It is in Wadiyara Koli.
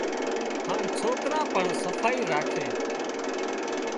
هانَ سوڪران پڻ صفائي راکي